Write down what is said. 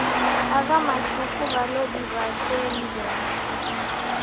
Agha matuku w'alodi w'a tee ni w'engi